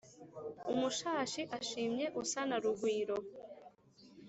Umushashi ushimye usa na Rugwiro.